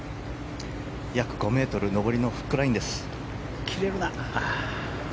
約５ｍ上りのフックラインです。